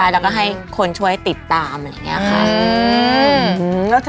แล้วก็ให้คนช่วยติดตามอะไรอย่างนี้ค่ะ